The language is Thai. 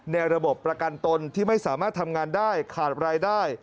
ในระบบประกันตนที่ไม่สามารถทำงานได้ขาดรายได้